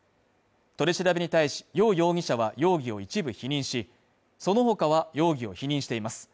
取り調べに対し楊容疑者は、容疑を一部否認し、その他は容疑を否認しています。